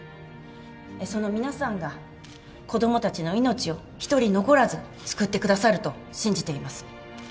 その皆さんが子供たちの命を一人残らず救ってくださると信じています。